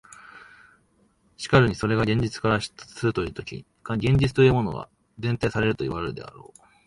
しかるにそれが現実から出立するというとき、現実というものが前提されるといわれるであろう。